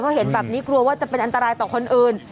เพราะเห็นแบบนี้กลัวว่าจะเป็นอันตรายต่อคนอื่น